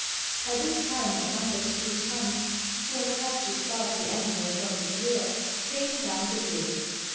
By this time the hunter's two sons, who had helped to start the animal from his lair, came down the hill.